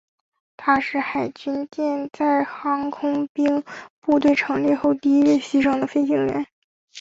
他是海军舰载航空兵部队成立后第一位牺牲的飞行员。